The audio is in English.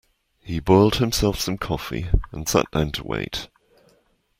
He boiled himself some coffee and sat down to wait.